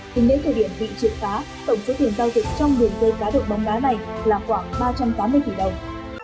tính đến thời điểm bị triệt phá tổng số tiền giao dịch trong đường dây cá độ bóng đá này là khoảng ba trăm tám mươi tỷ đồng